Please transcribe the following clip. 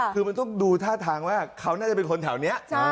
คือมันต้องดูท่าทางว่าเขาน่าจะเป็นคนแถวนี้